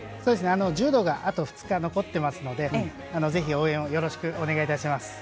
柔道があと２日残っていますのでぜひ応援をよろしくお願いいたします。